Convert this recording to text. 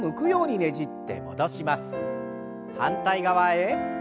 反対側へ。